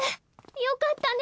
よかったね！